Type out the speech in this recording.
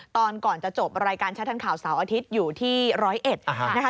ก่อนจะจบรายการชัดทันข่าวเสาร์อาทิตย์อยู่ที่๑๐๑นะคะ